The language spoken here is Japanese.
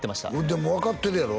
でも分かってるやろ？